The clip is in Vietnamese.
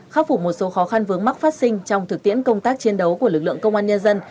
khắc phục một số khó khăn vướng mắc phát sinh trong thực tiễn công tác chiến đấu của lực lượng công an nhân dân